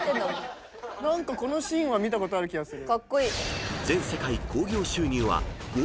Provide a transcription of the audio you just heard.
このシーンは見たことある気がする。